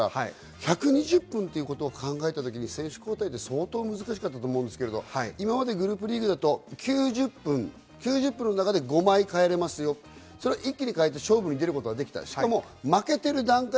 １２０分ということを考えたときに選手交代で相当難しかったと思いますが、今までグループリーグだと９０分、その中で５枚代えられますよ、それを一気に変えて勝負に出ることができた。